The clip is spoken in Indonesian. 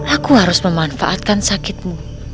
aku harus memanfaatkan sakitmu